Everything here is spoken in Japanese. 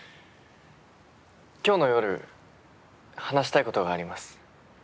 今日の夜話したいことがあります。